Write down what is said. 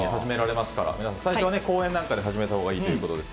最初は公園なんかで始めたほうがよいということです。